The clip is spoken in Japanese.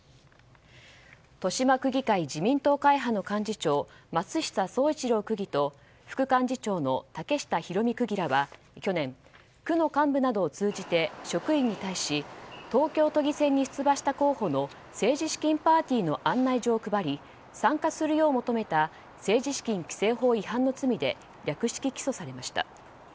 豊島区議会自民党会派の幹事長松下創一郎区議と副幹事長の竹下広美区議らは去年、区の幹部などを通じて職員に対し東京都議選に出馬した候補の政治資金パーティーの案内状を配り参加するよう求めた政治資金規正法違反の罪で略式起訴されました。